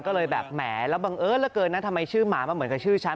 ก็เลยแบบแหมแล้วบังเอิญเหลือเกินนะทำไมชื่อหมามันเหมือนกับชื่อฉัน